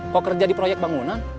mau kerja di proyek bangunan